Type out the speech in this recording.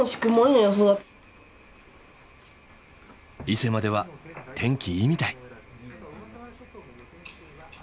伊勢までは天気いいみたい。